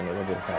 ini lebih besar